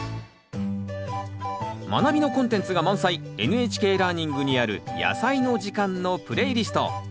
「まなび」のコンテンツが満載「ＮＨＫラーニング」にある「やさいの時間」のプレイリスト。